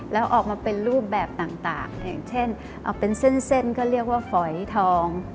แล้วออกมาเป็นรูปแบบต่างอย่างเช่นเอาเป็นเส้นก็เรียกว่าฝอยทอง